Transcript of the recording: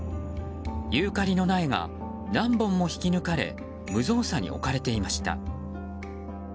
ユーカリの苗が何本も引き抜かれ無造作に置かれていました。